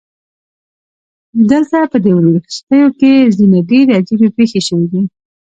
دلته پدې وروستیو کې ځینې ډیرې عجیبې پیښې شوې دي